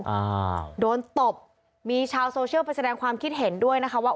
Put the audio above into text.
อ่าโดนตบมีชาวโซเชียลไปแสดงความคิดเห็นด้วยนะคะว่า